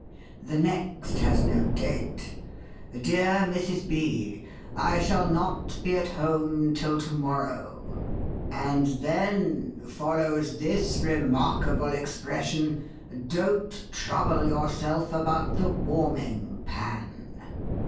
The next has no date. 'Dear Mrs. B. I shall not be at home till to morrow.' And then follows this remarkable expression '_Don't trouble yourself about the warming pan.